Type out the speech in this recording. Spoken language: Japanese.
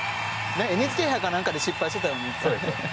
ＮＨＫ杯かなんかで失敗してたよね。